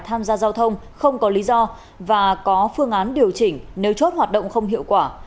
tham gia giao thông không có lý do và có phương án điều chỉnh nếu chốt hoạt động không hiệu quả